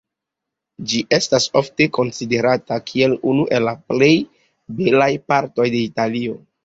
Ĝi estas ofte konsiderata kiel unu el la plej belaj partoj de Italio.